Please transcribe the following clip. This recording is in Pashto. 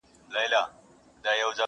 په یوه جوال کي رېګ بل کي غنم وي!.